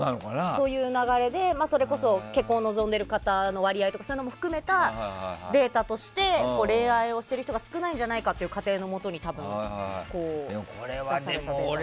そういう流れで結婚を望んでる方の割合とかそういうのも含めたデータとして恋愛をしてる人が少ないんじゃないかっていう仮定のもとに出されたというか。